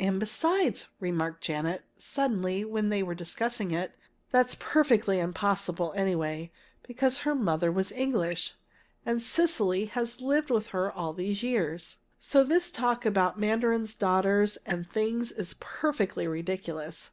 "And besides," remarked Janet, suddenly, when they were discussing it, "that's perfectly impossible, anyway, because her mother was English, and Cecily has lived with her all these years. So this talk about mandarin's daughters and things is perfectly ridiculous!"